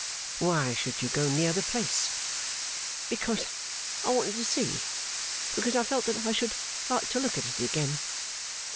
'Why should you go near the place?' 'Because I wanted to see it. Because I felt that I should like to look at it again.